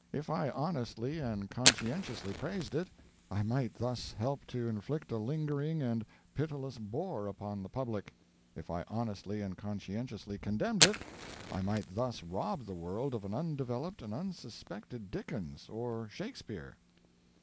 If I honestly and conscientiously praised it, I might thus help to inflict a lingering and pitiless bore upon the public; if I honestly and conscientiously condemned it, I might thus rob the world of an undeveloped and unsuspected Dickens or Shakespeare.